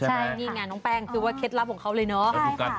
อันนี้น่ะน้องแป้งคือเคล็ดลับของเขาเลยเนอะ